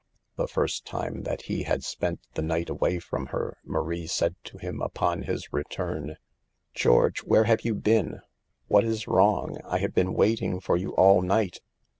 The first time that he had spent the night away from her, Marie said to him upon his return: " George, where have you been ? What is wrong? I have been waiting for you all night."